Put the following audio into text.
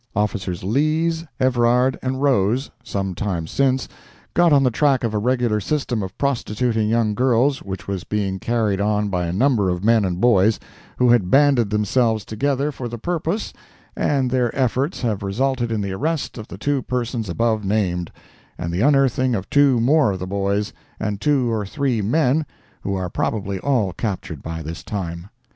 Officers Lees, Evrard and Rose, some time since, got on the track of a regular system of prostituting young girls, which was being carried on by a number of men and boys who had banded themselves together for the purpose, and their efforts have resulted in the arrest of the two persons above named, and the unearthing of two more of the boys and two or three men, who are probably all captured by this time.